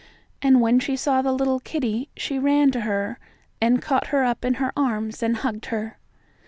And when she saw the little kittie she ran to her and caught her up in her arms and hugged her.